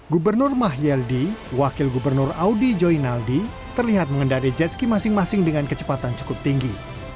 gubernur mahyeldi wakil gubernur audi joinaldi terlihat mengendari jetski masing masing dengan kecepatan cukup tinggi